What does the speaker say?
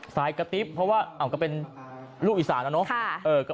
ตายกระติบเพราะว่าเป็นลูกอีศาลหรอนะ